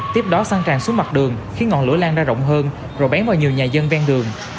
tiếp đó xăng tràn xuống mặt đường khiến ngọn lửa lan ra rộng hơn rồi bén vào nhiều nhà dân ven đường